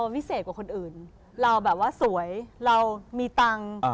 พิเศษกว่าคนอื่นเราแบบว่าสวยเรามีตังค์